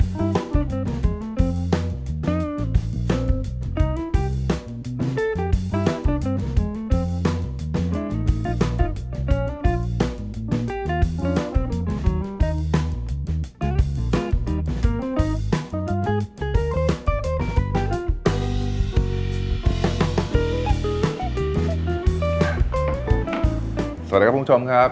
สวัสดีครับคุณผู้ชมครับ